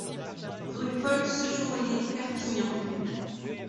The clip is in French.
Rue Paul Sejourné, Perpignan